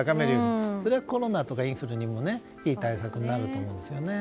それがコロナとかインフルにもいい対策になると思うんですよね。